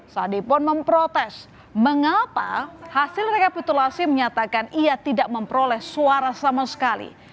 sandi pun memprotes mengapa hasil rekapitulasi menyatakan ia tidak memperoleh suara sama sekali